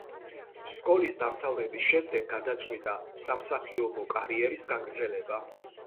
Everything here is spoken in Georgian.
სკოლის დამთავრების შემდეგ გადაწყვიტა სამსახიობო კარიერის გაგრძელება.